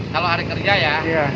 kalau hari kerja ya